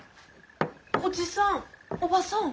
おじさんおばさん。